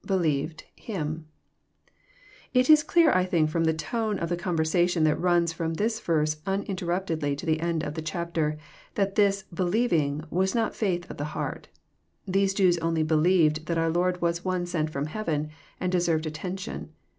believed,..himJ] It is clear, I think, from the tone of the conversation that runs from this Terse nninterniptedly to the end of the chapter, that this *' believ ing *• was not faith of the heart. These Jews only " believed * that our Lord was One sent from heaven, and deserved atten tion.